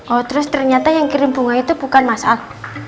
oh terus ternyata yang kirim bunga itu bukan masalah